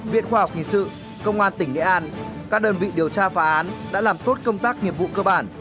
viện khoa học hình sự công an tỉnh nghệ an các đơn vị điều tra phá án đã làm tốt công tác nghiệp vụ cơ bản